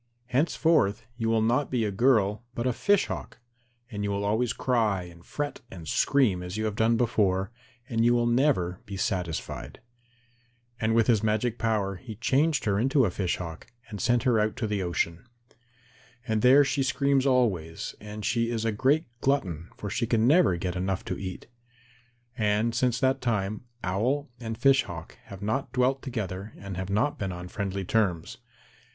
Henceforth you will be not a girl but a Fish Hawk, and you will always cry and fret and scream as you have done before, and you will never be satisfied." And with his magic power he changed her into a Fish Hawk, and sent her out to the ocean. And there she screams always, and she is a great glutton, for she can never get enough to eat. And since that time, Owl and Fish Hawk have not dwelt together and have not been on friendly terms.